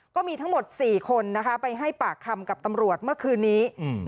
ก็มีทั้งหมด๔คนนะคะไปให้ปากคำกับตำรวจเมื่อคืนนี้